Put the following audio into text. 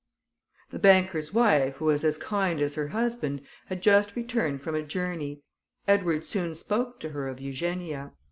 The banker's wife, who was as kind as her husband, had just returned from a journey; Edward soon spoke to her of Eugenia.